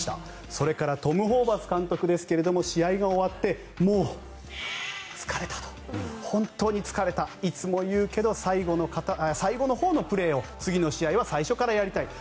それからトム・ホーバス監督ですが試合が終わってもう疲れた、本当に疲れたいつも言うけど最後のほうのプレーを次の試合は最初からやりたいと。